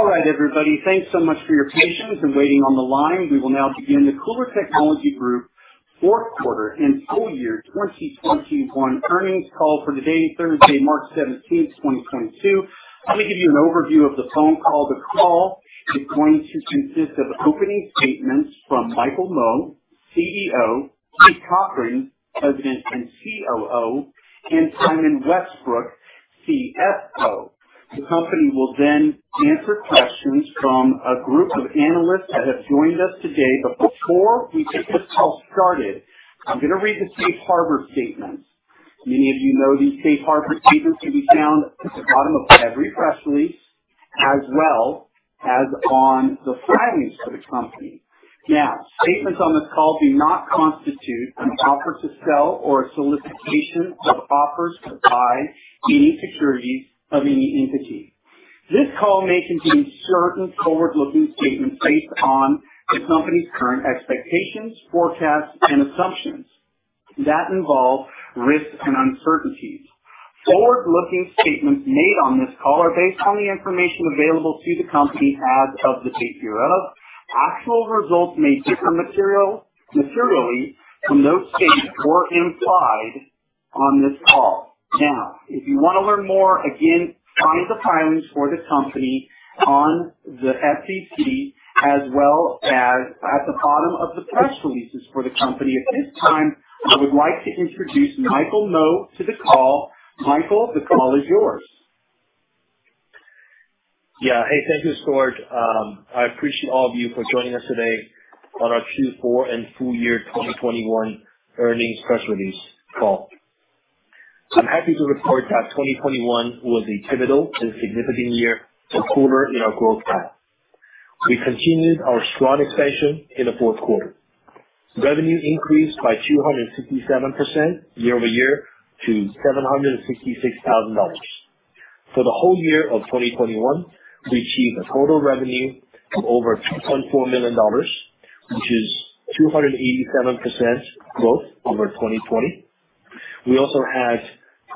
All right, everybody. Thanks so much for your patience in waiting on the line. We will now begin the KULR Technology Group fourth quarter and full year 2021 earnings call for today, Thursday, March 17, 2022. Let me give you an overview of the phone call. The call is going to consist of opening statements from Michael Mo, CEO, Keith Cochran, President and COO, and Simon Westbrook, CFO. The company will then answer questions from a group of analysts that have joined us today. Before we get this call started, I'm gonna read the safe harbor statement. Many of you know these safe harbor statements can be found at the bottom of every press release, as well as on the filings for the company. Now, statements on this call do not constitute an offer to sell or a solicitation of offers to buy any securities of any entity. This call may contain certain forward-looking statements based on the company's current expectations, forecasts, and assumptions that involve risks and uncertainties. Forward-looking statements made on this call are based on the information available to the company as of the date hereof. Actual results may differ materially from those stated or implied on this call. Now, if you wanna learn more, again, find the filings for the company on the SEC as well as at the bottom of the press releases for the company. At this time, I would like to introduce Michael Mo to the call. Michael, the call is yours. Yeah. Hey, thank you, George. I appreciate all of you for joining us today on our Q4 and full year 2021 earnings press release call. I'm happy to report that 2021 was a pivotal and significant year for KULR in our growth path. We continued our strong expansion in the fourth quarter. Revenue increased by 267% year-over-year to $766,000. For the whole year of 2021, we achieved a total revenue of over $2.4 million, which is 287% growth over 2020. We also had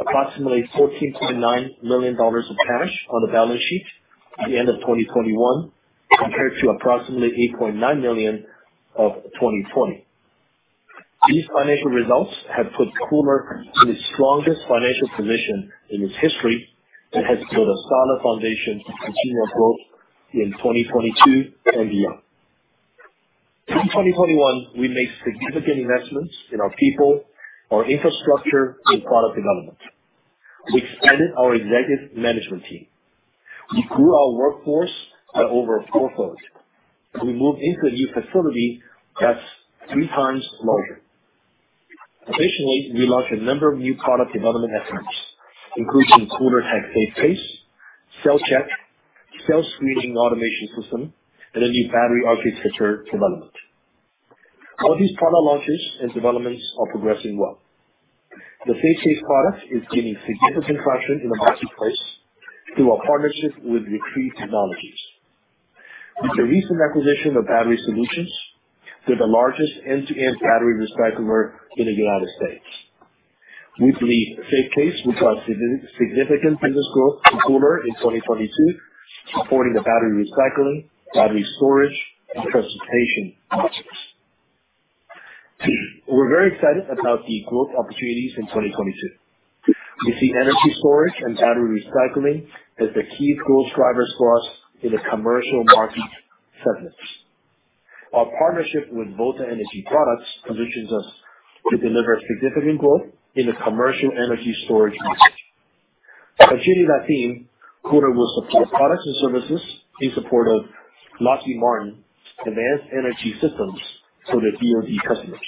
approximately $14.9 million of cash on the balance sheet at the end of 2021 compared to approximately $8.9 million of 2020. These financial results have put KULR in the strongest financial position in its history and has built a solid foundation to continue our growth in 2022 and beyond. Through 2021, we made significant investments in our people, our infrastructure, and product development. We expanded our executive management team. We grew our workforce by over fourfold. We moved into a new facility that's three times larger. Additionally, we launched a number of new product development efforts, including KULR-Tech SafeCASE, CellCheck, cell screening automation system, and a new battery architecture development. All these product launches and developments are progressing well. The SafeCASE product is gaining significant traction in the marketplace through our partnership with Retriev Technologies. With the recent acquisition of Battery Solutions, we're the largest end-to-end battery recycler in the United States. We believe SafeCASE will drive significant business growth to KULR in 2022, supporting the battery recycling, battery storage, and transportation markets. We're very excited about the growth opportunities in 2022. We see energy storage and battery recycling as the key growth drivers for us in the commercial market segments. Our partnership with Volta Energy Products positions us to deliver significant growth in the commercial energy storage market. As part of that team, KULR will support products and services in support of Lockheed Martin's demand for energy systems for their DoD customers.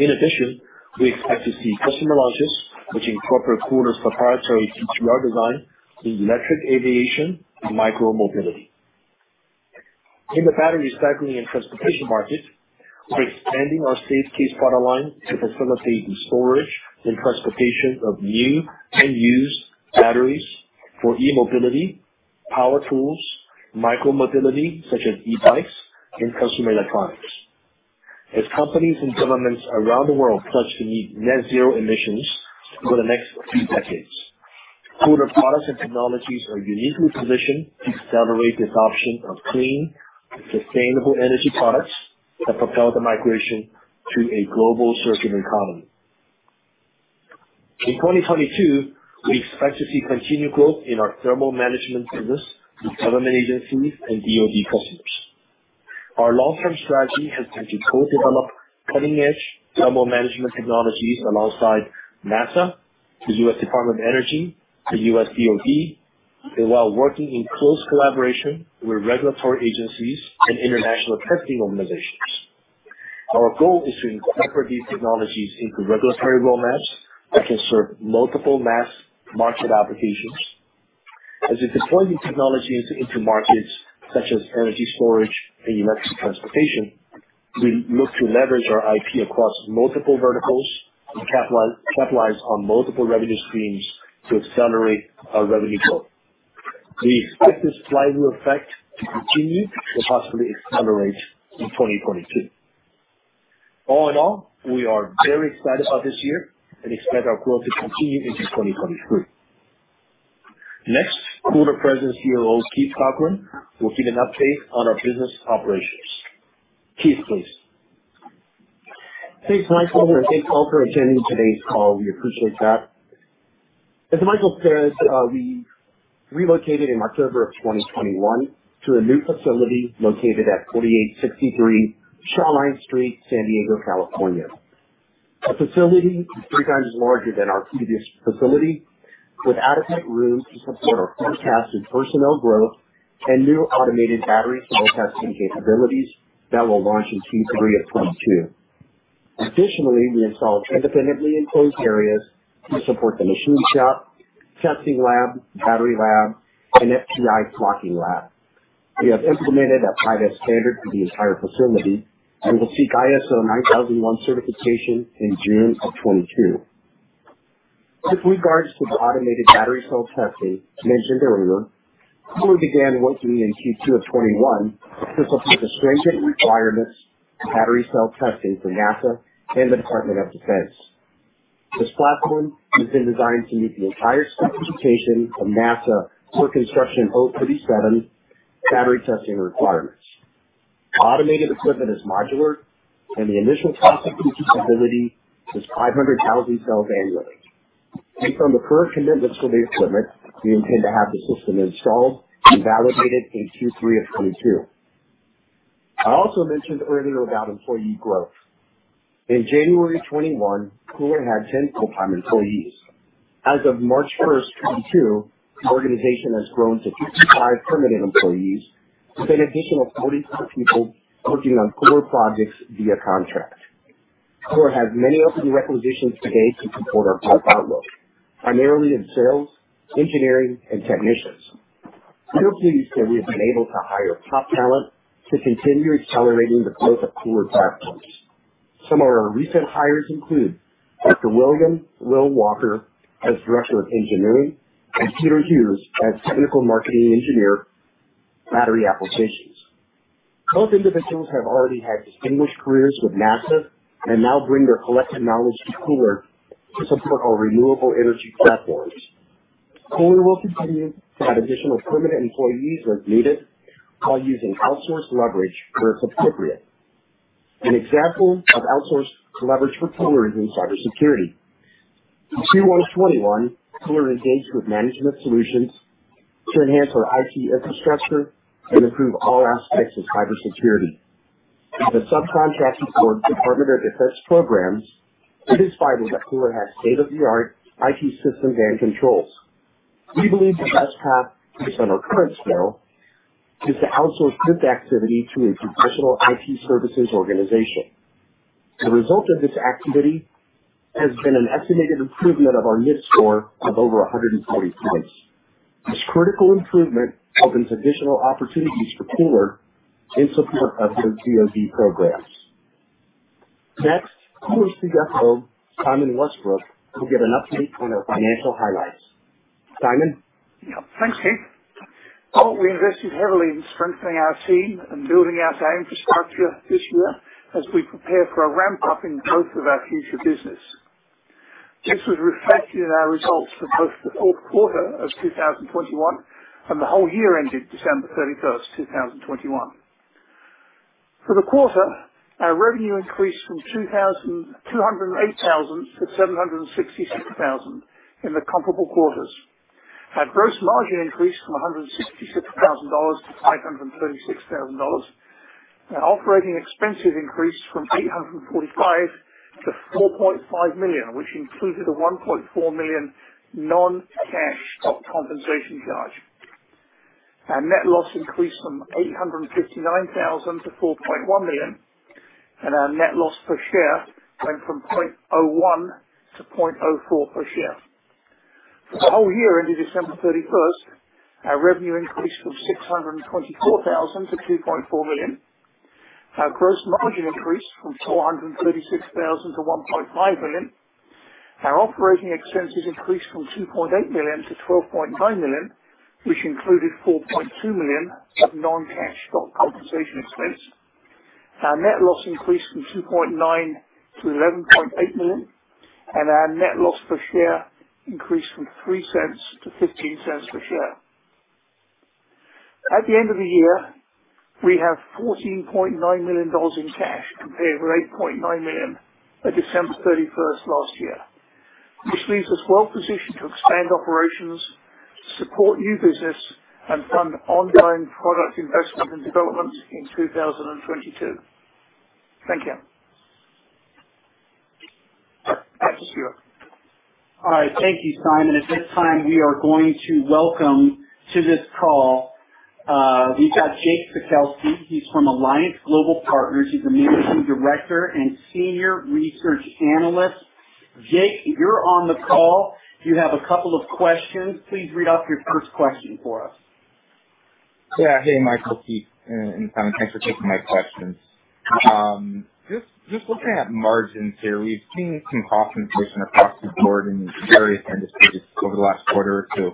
In addition, we expect to see customer launches which incorporate KULR's proprietary BTR design in electric aviation and micro-mobility. In the battery recycling and transportation market, we're expanding our SafeCASE product line to facilitate the storage and transportation of new and used batteries for e-mobility, power tools, micro-mobility such as e-bikes and consumer electronics. As companies and governments around the world pledge to meet net zero emissions over the next few decades, KULR products and technologies are uniquely positioned to accelerate the adoption of clean and sustainable energy products that propel the migration to a global circular economy. In 2022, we expect to see continued growth in our thermal management business with government agencies and DoD customers. Our long-term strategy has been to co-develop cutting-edge thermal management technologies alongside NASA, the U.S. Department of Energy, the U.S. DoD, and while working in close collaboration with regulatory agencies and international testing organizations. Our goal is to incorporate these technologies into regulatory roadmaps that can serve multiple mass market applications. As we deploy these technologies into markets such as energy storage and electric transportation, we look to leverage our IP across multiple verticals and capitalize on multiple revenue streams to accelerate our revenue growth. We expect this flywheel effect to continue and possibly accelerate in 2022. All in all, we are very excited about this year and expect our growth to continue into 2023. Next, KULR President and COO, Keith Cochran, will give an update on our business operations. Keith, please. Thanks, Michael, and thanks all for attending today's call. We appreciate that. As Michael said, we relocated in October of 2021 to a new facility located at 4863 Shawline Street, San Diego, California. Our facility is three times larger than our previous facility, with adequate room to support our forecast and personnel growth and new automated battery cell testing capabilities that will launch in Q3 of 2022. Additionally, we installed independently enclosed areas to support the machining shop, testing lab, battery lab, and FTI stocking lab. We have implemented a private standard for the entire facility and will seek ISO 9001 certification in June 2022. With regards to the automated battery cell testing mentioned earlier, KULR began work to meet in Q2 of 2021 to support the stringent requirements battery cell testing for NASA and the Department of Defense. This platform has been designed to meet the entire specification from NASA for construction of these batteries, battery testing requirements. Automated equipment is modular and the initial capacity of each capability is 500,000 cells annually. Based on the current commitments for the equipment, we intend to have the system installed and validated in Q3 of 2022. I also mentioned earlier about employee growth. In January 2021, KULR had 10 full-time employees. As of March 1, 2022, the organization has grown to 55 permanent employees, with an additional 45 people working on KULR projects via contract. KULR has many open requisitions today to support our growth outlook, primarily in sales, engineering, and technicians. We are pleased that we have been able to hire top talent to continue accelerating the growth of KULR platforms. Some of our recent hires include Dr. William Will Walker as Director of Engineering and Peter Hughes as Technical Marketing Engineer, Battery Applications. Both individuals have already had distinguished careers with NASA and now bring their collective knowledge to KULR to support our renewable energy platforms. KULR will continue to add additional permanent employees as needed while using outsourced leverage where appropriate. An example of outsourced leverage for KULR is in cybersecurity. In 2021, KULR engaged with Management Solutions to enhance our IT infrastructure and improve all aspects of cybersecurity. As a subcontractor for Department of Defense programs, it is vital that KULR has state-of-the-art IT systems and controls. We believe the best path based on our current scale is to outsource this activity to a professional IT services organization. The result of this activity has been an estimated improvement of our NIST score of over 100 points. This critical improvement opens additional opportunities for KULR in support of their DoD programs. Next, KULR CFO, Simon Westbrook, will give an update on our financial highlights. Simon? Yeah. Thanks, Keith. Well, we invested heavily in strengthening our team and building out our infrastructure this year as we prepare for a ramp-up in growth of our future business. This was reflected in our results for both the fourth quarter of 2021 and the whole year ending December 31, 2021. For the quarter, our revenue increased from $2,208,000 to $766,000 in the comparable quarters. Our gross margin increased from $166,000 to $536,000. Our operating expenses increased from $845,000 to $4.5 million, which included a $1.4 million non-cash stock compensation charge. Our net loss increased from $859 thousand to $4.1 million, and our net loss per share went from $0.01 to $0.04 per share. For the whole year ended December 31, our revenue increased from $624 thousand to $2.4 million. Our gross margin increased from $436 thousand to $1.5 million. Our operating expenses increased from $2.8 million to $12.9 million, which included $4.2 million of non-cash stock compensation expense. Our net loss increased from $2.9 million to $11.8 million, and our net loss per share increased from $0.03 to $0.15 per share. At the end of the year, we have $14.9 million in cash compared with $8.9 million at December 31 last year, which leaves us well positioned to expand operations, support new business, and fund ongoing product investment and development in 2022. Thank you. Back to you. All right. Thank you, Simon. At this time, we are going to welcome to this call. We've got Jake Pakulski. He's from Alliance Global Partners. He's a Managing Director and Senior Research Analyst. Jake, you're on the call. You have a couple of questions. Please read off your first question for us. Yeah. Hey, Michael, Keith, and Simon. Thanks for taking my questions. Just looking at margins here, we've seen some cost inflation across the board in various industries over the last quarter or two.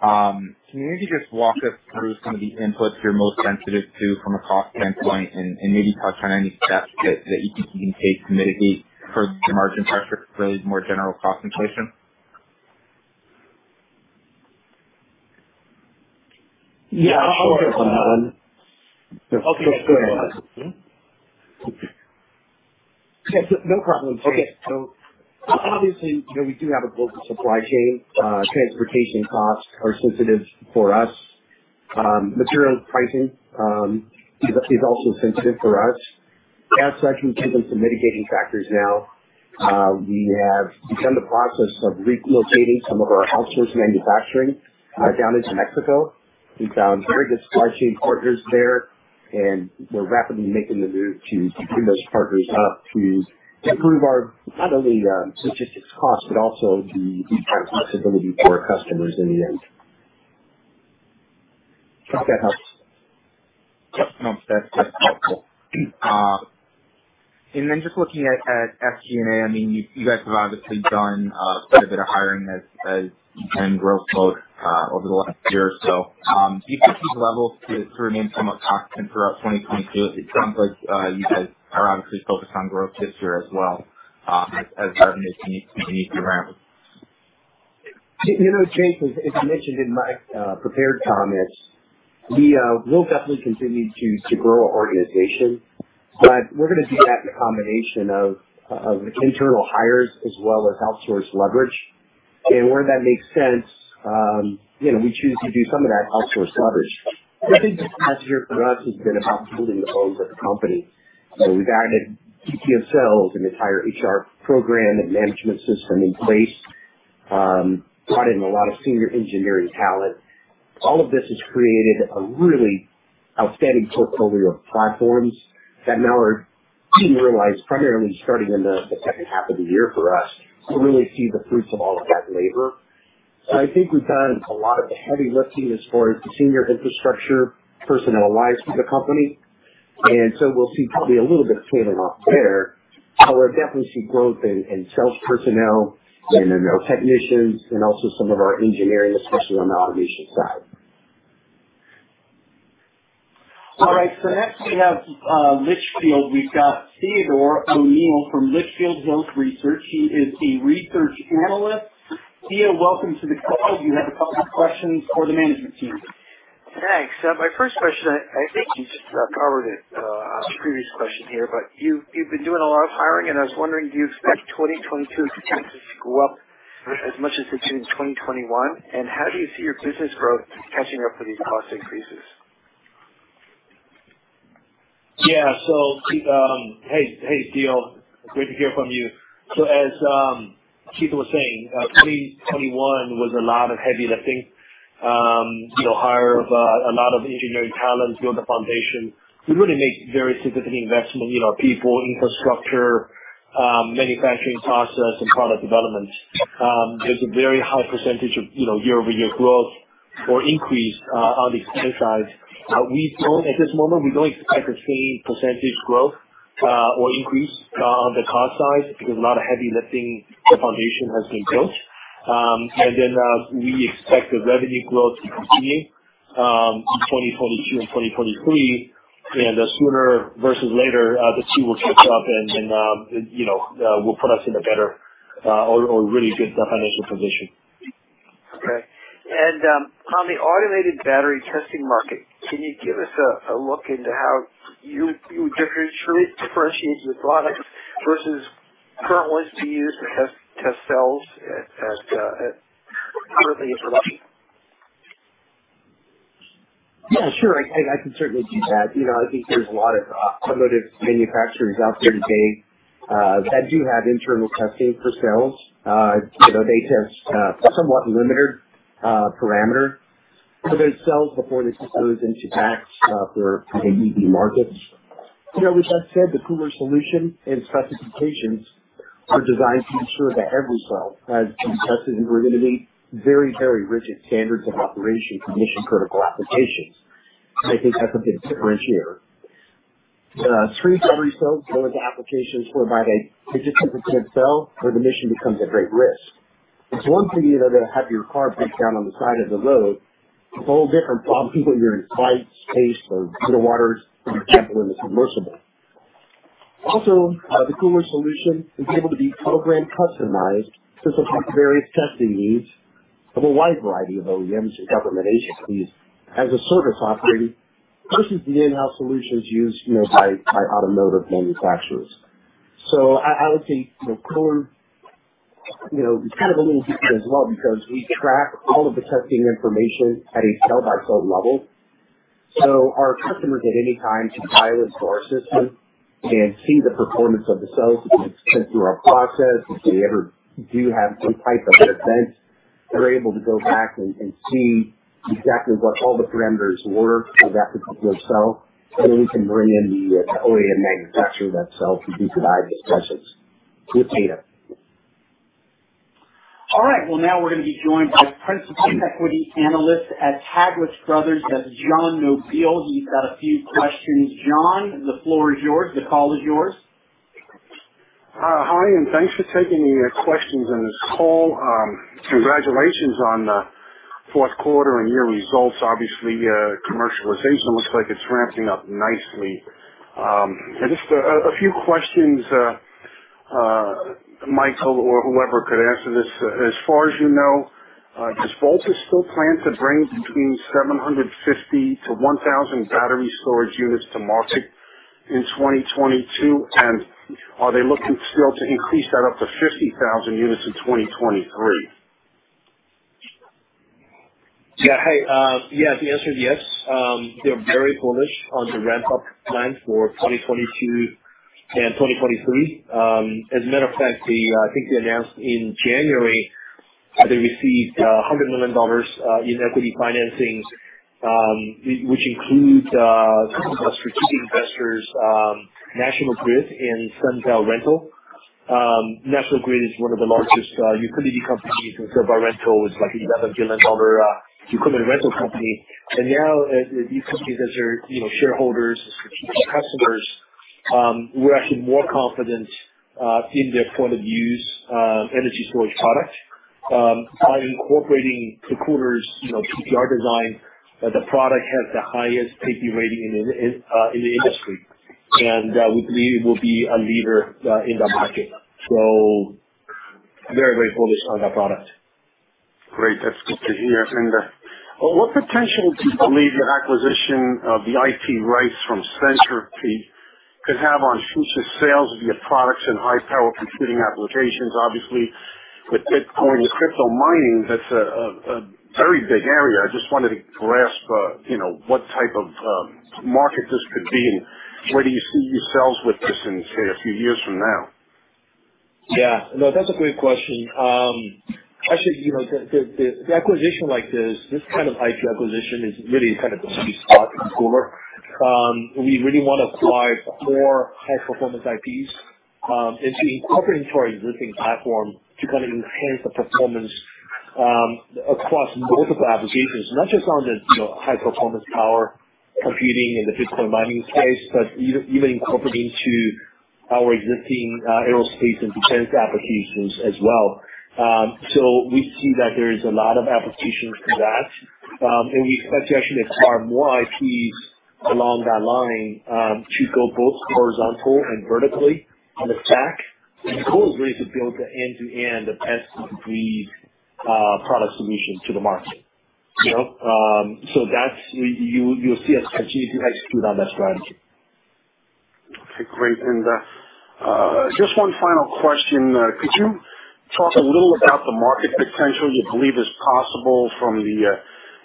Can you maybe just walk us through some of the inputs you're most sensitive to from a cost standpoint, and maybe touch on any steps that you think you can take to mitigate for margin pressure created by more general cost inflation? Yeah, I'll Sure. Okay. Go ahead. Yeah. No problem. Okay. Obviously, you know, we do have a global supply chain. Transportation costs are sensitive for us. Material pricing is also sensitive for us. And I can give you some mitigating factors now. We have begun the process of relocating some of our outsourced manufacturing down into Mexico. We found very good supply chain partners there, and we're rapidly making the move to bring those partners up to improve our not only logistics costs, but also the flexibility for our customers in the end. Hope that helps. Yep. No, that's helpful. Just looking at SG&A, I mean, you guys have obviously done quite a bit of hiring as you've been growth mode over the last year or so. Do you think these levels can remain somewhat constant throughout 2022? It sounds like you guys are obviously focused on growth this year as well, as revenue continues to ramp. You know, Jake Pakulski, as I mentioned in my prepared comments, we'll definitely continue to grow our organization, but we're gonna do that in a combination of internal hires as well as outsourced leverage. Where that makes sense, you know, we choose to do some of that outsourced leverage. I think the past year for us has been about building the bones of the company. We've added TTS cells, an entire HR program and management system in place, brought in a lot of senior engineering talent. All of this has created a really outstanding portfolio of platforms that now are being realized primarily starting in the second half of the year for us to really see the fruits of all of that labor. I think we've done a lot of the heavy lifting as far as senior infrastructure personnel-wise for the company. We'll see probably a little bit of tailing off there. We'll definitely see growth in sales personnel and in our technicians and also some of our engineering, especially on the automation side. All right. Next we have Litchfield. We've got Theodore O'Neill from Litchfield Hills Research. He is a research analyst. Theo, welcome to the call. You have a couple questions for the management team. Thanks. My first question, I think you just covered it on a previous question here, but you've been doing a lot of hiring and I was wondering, do you expect 2022 expenses to go up as much as they did in 2021? How do you see your business growth catching up for these cost increases? Hey, Theo. Great to hear from you. As Keith was saying, 2021 was a lot of heavy lifting. You know, hire of a lot of engineering talent, build a foundation. We really make very significant investment, you know people, infrastructure, manufacturing process and product development. There's a very high percentage of, you know, year-over-year growth or increase on the expense side. We don't at this moment expect the same percentage growth or increase on the cost side because a lot of heavy lifting, the foundation has been built. We expect the revenue growth to continue in 2022 and 2023. Sooner versus later, the two will catch up and you know will put us in a better or really good financial position. Okay, on the automated battery testing market, can you give us a look into how you differentiate your products versus current ones used to test cells that are currently in production? Yeah, sure. I can certainly do that. You know, I think there's a lot of automotive manufacturers out there today that do have internal testing for cells. You know, they test somewhat limited parameter for their cells before they deploy into packs for EV markets. You know, as I said, the KULR solution and specifications are designed to ensure that every cell has been tested and will implement very rigid standards of operation for mission-critical applications. I think that's a big differentiator. These battery cells go into applications whereby if it's a defective cell, the mission is at great risk. It's one thing, you know, to have your car break down on the side of the road. It's a whole different problem when you're in flight, space or, you know, waters, or particularly submersible. The KULR solution is able to be program customized to support various testing needs of a wide variety of OEMs and government agencies as a service offering versus the in-house solutions used, you know, by automotive manufacturers. I would say, you know, KULR, you know, it's kind of a little different as well because we track all of the testing information at a cell by cell level. Our customers at any time can dial into our system and see the performance of the cells as it's been through our process. If they ever do have some type of an event, they're able to go back and see exactly what all the parameters were for that particular cell. We can bring in the OEM manufacturer of that cell to do detailed discussions with data. All right. Well, now we're gonna be joined by Principal Equity Analyst at Taglich Brothers. That's John Nobile. He's got a few questions. John, the floor is yours. The call is yours. Hi, and thanks for taking the questions on this call. Congratulations on the fourth quarter and year results. Obviously, commercialization looks like it's ramping up nicely. Just a few questions, Michael or whoever could answer this. As far as you know, does Volta still plan to bring between 750-1,000 battery storage units to market in 2022? And are they looking still to increase that up to 50,000 units in 2023? Yeah. Hey, yeah, the answer is yes. They're very bullish on the ramp-up plan for 2022 and 2023. As a matter of fact, I think they announced in January, they received $100 million in equity financings, which includes some of the strategic investors, National Grid and Sunbelt Rentals. National Grid is one of the largest utility companies, and Sunbelt Rentals is like $11 billion utility rental company. Now, these companies that are, you know, shareholders and strategic customers, we're actually more confident in their point of use energy storage product. By incorporating KULR's, you know, PPR design, the product has the highest rating in the industry. We believe we'll be a leader in the market. Very, very bullish on that product. Great. That's good to hear. What potential do you believe the acquisition of the IP rights from Centropy could have on future sales of your products and high power computing applications? Obviously, with Bitcoin and crypto mining, that's a very big area. I just wanted to grasp, you know, what type of market this could be and where do you see yourselves with this in, say, a few years from now? Yeah. No, that's a great question. Actually, you know, the acquisition like this kind of IT acquisition is really kind of a sweet spot for KULR. We really wanna apply more high performance ITs, and to incorporate into our existing platform to kind of enhance the performance across multiple applications, not just on the, you know, high performance power computing in the Bitcoin mining case, but even incorporating to our existing aerospace and defense applications as well. We see that there is a lot of applications for that. We expect to actually acquire more ITs along that line, to go both horizontal and vertically on the stack. The goal is really to build the end-to-end product solution to the market. You know? You'll see us continue to execute on that strategy. Okay, great. Just one final question. Could you talk a little about the market potential you believe is possible from the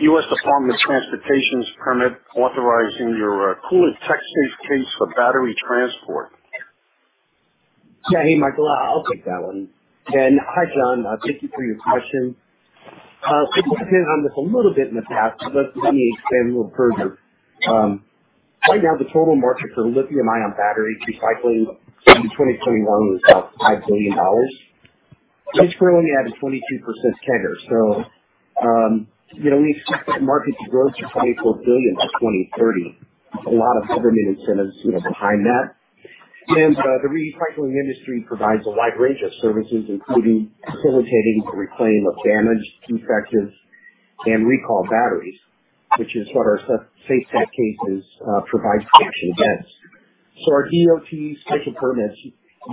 U.S. Department of Transportation's permit authorizing your KULR-Tech SafeCASE for battery transport? Yeah. Hey, Michael, I'll take that one. Hi, John, thank you for your question. We've touched on this a little bit in the past, but let me expand a little further. Right now the total market for lithium-ion battery recycling in 2021 was about $5 billion. It's growing at a 22% CAGR. You know, we expect that market to grow to $24 billion by 2030. A lot of government incentives, you know, behind that. The recycling industry provides a wide range of services, including facilitating the reclaim of damaged, defective, and recall batteries, which is what our SafeCASEs provide protection against. Our DOT special permits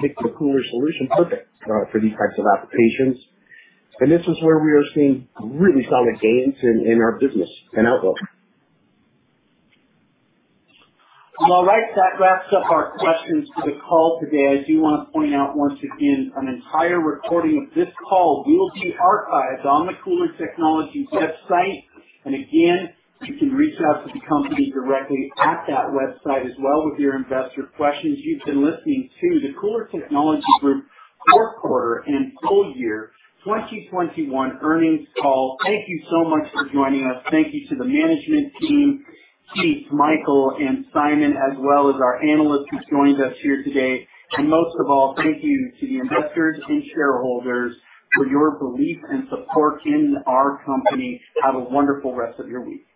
make the KULR solution perfect for these types of applications. This is where we are seeing really solid gains in our business and outlook. All right. That wraps up our questions for the call today. I do wanna point out once again, an entire recording of this call will be archived on the KULR Technology website. Again, you can reach out to the company directly at that website as well with your investor questions. You've been listening to the KULR Technology Group fourth quarter and full year 2021 earnings call. Thank you so much for joining us. Thank you to the management team, Keith, Michael, and Simon as well as our analyst who's joined us here today. Most of all, thank you to the investors and shareholders for your belief and support in our company. Have a wonderful rest of your week.